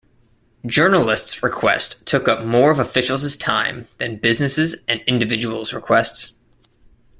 Journalists' requests took up more of officials' time than businesses' and individuals' requests.